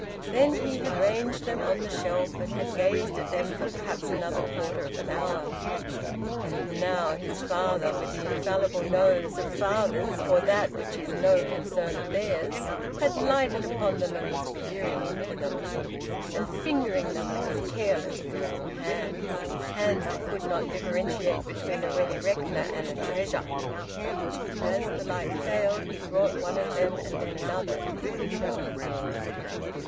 Then he had ranged them on the shelf, and had gazed at them for perhaps another quarter of an hour. And now his father, with the infallible nose of fathers for that which is no concern of theirs, had lighted upon them and was peering into them, and fingering them with his careless, brutal hands, hands that could not differentiate between a ready reckoner and a treasure. As the light failed, he brought one of them and then another to the window.